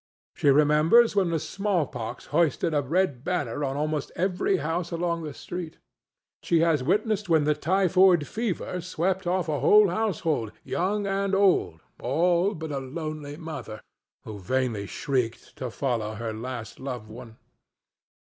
She remembers when the small pox hoisted a red banner on almost every house along the street. She has witnessed when the typhus fever swept off a whole household, young and old, all but a lonely mother, who vainly shrieked to follow her last loved one.